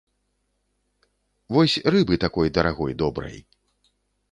Вось рыбы такой дарагой добрай.